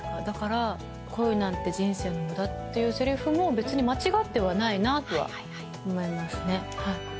だから「恋なんて人生の無駄」っていうせりふも別に間違ってはないなとは思いますね。